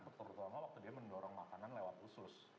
terutama waktu dia mendorong makanan lewat usus